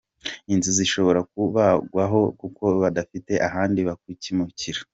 Inzu zishobora kubagwaho kuko badafite ahandi bakimukira.